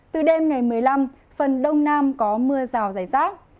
từ đêm ngày một mươi năm phần đông nam có mưa rào rải rác